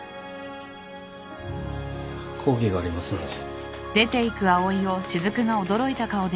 講義がありますので。